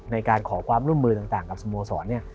ในการขอความร่วมมือต่างกับสโมสร